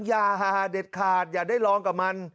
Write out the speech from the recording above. อย่าหาเด็ดขาดอย่าได้ลองกับมัน